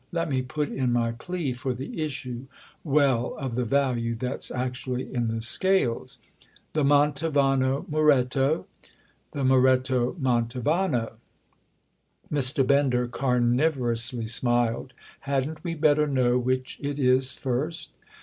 Let me put in my plea for the issue—well, of the value that's actually in the scales." "The Mantovano Moretto?" "The Moretto Mantovano!" Mr. Bender carnivorously smiled. "Hadn't we better know which it is first?"